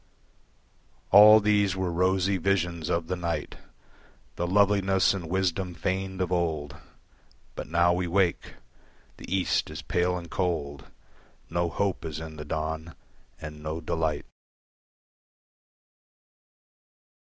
All these were rosy visions of the night, The loveliness and wisdom feigned of old. But now we wake. The East is pale and cold, No hope is in the dawn, and no delight.